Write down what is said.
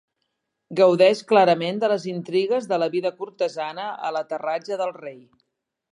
Gaudeix clarament de les intrigues de la vida cortesana a l'aterratge del rei.